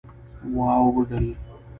واوډل